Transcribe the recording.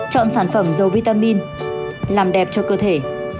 chọn sản phẩm dầu vitamin làm đẹp cho cơ thể